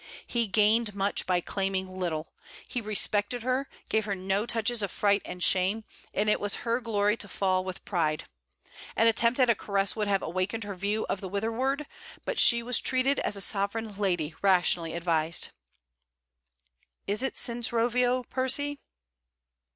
He gained much by claiming little: he respected her, gave her no touches of fright and shame; and it was her glory to fall with pride. An attempt at a caress would have awakened her view of the whitherward: but she was treated as a sovereign lady rationally advised. 'Is it since Rovio, Percy?'